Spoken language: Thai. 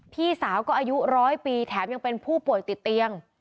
พี่สาวก็อายุร้อยปีแถมยังเป็นผู้ป่วยติดเตียง